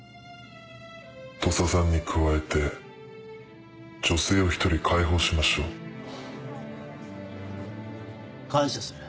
土佐さんに加えて女性を１人解放しましょう。感謝する。